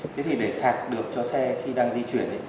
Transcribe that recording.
thế thì để sạc được cho xe khi đang di chuyển ấy